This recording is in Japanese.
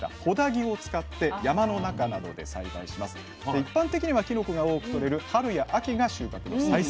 一般的にはきのこが多くとれる春や秋が収穫の最盛期と。